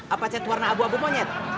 apa cat warna abu abu monyet